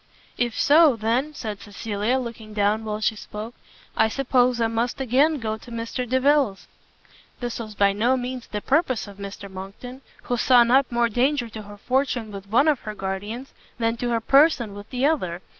"If so, then," said Cecilia, looking down while she spoke, "I suppose I must again go to Mr Delvile's." This was by no means the purpose of Mr Monckton, who saw not more danger to her fortune with one of her guardians, than to her person with the other.